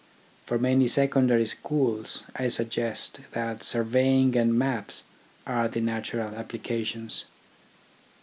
For many secondary schools I suggest that surveying and maps are the natural applications.